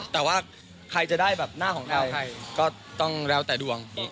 แต่ว่าใครจะได้แบบหน้าของเราก็ต้องแล้วแต่ดวง